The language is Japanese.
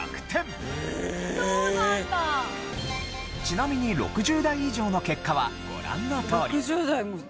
ちなみに６０代以上の結果はご覧のとおり。